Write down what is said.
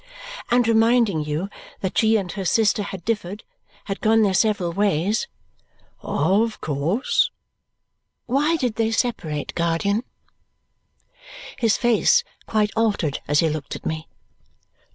"And reminding you that she and her sister had differed, had gone their several ways?" "Of course." "Why did they separate, guardian?" His face quite altered as he looked at me.